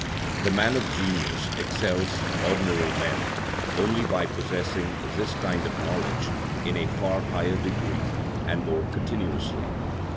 The man of genius excels ordinary men only by possessing this kind of knowledge in a far higher degree and more continuously.